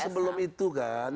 sebelum itu kan